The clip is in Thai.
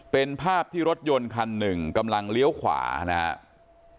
เป็นภาพที่รถยนต์คันหนึ่งกำลังเลี้ยวขวานะครับ